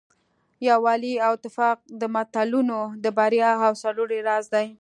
یووالی او اتفاق د ملتونو د بریا او سرلوړۍ راز دی.